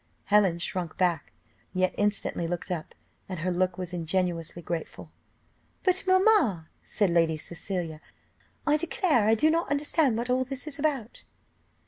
Helen shrunk back, yet instantly looked up, and her look was ingenuously grateful. "But, mamma," said Lady Cecilia, "I declare I do not understand what all this is about."